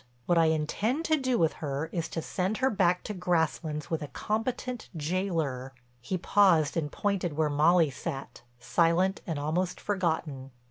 What I intend to do with her is to send her back to Grasslands with a competent jailer—" he paused and pointed where Molly sat, silent and almost forgotten.